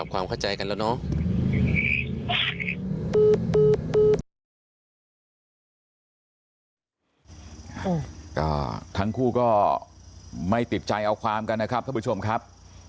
ก็ทั้งคู่ก็ไม่ติดใจเอาความกันนะครับท่านผู้ชมครับ